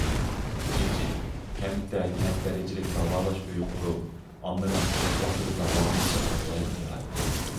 ئىككىنچى، كەنتتە كەنت دەرىجىلىك داۋالاش ئۆيى قۇرۇپ، ئاممىنىڭ ئۆز ۋاقتىدا داۋالىنىشىغا قولايلىق ياراتتى.